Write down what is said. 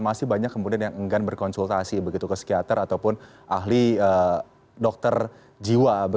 masih banyak kemudian yang enggan berkonsultasi begitu ke psikiater ataupun ahli dokter jiwa